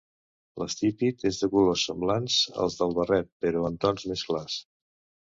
L'estípit és de colors semblants als del barret, però en tons més clars.